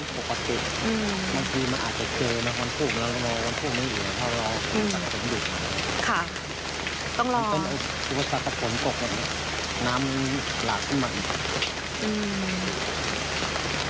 ปกติบางทีมันอาจจะเจอน้องหวันทุกข์มันจะรอหวันทุกข์ไม่อยู่